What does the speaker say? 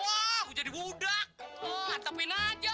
aku jadi budak antepin aja